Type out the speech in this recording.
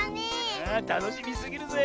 ああたのしみすぎるぜ。